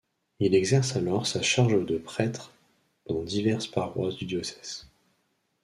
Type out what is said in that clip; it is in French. Il exerce alors sa charge de prêtre dans diverses paroisses du diocèse.